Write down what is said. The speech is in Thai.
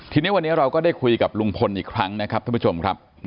ทีนี้วันนี้เราก็ได้คุยกับลุงพลอีกครั้งนะครับท่านผู้ชมครับ